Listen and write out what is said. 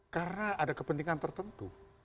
karena ada kepentingan tertentu